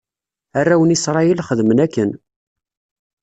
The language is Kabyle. Arraw n Isṛayil xedmen akken.